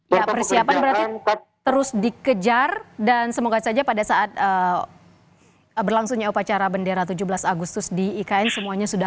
ya persiapan berarti terus dikejar dan semoga saja pada saat berlangsungnya upacara bendera tujuh belas agustus di ikn semuanya sudah